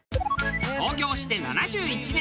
創業して７１年。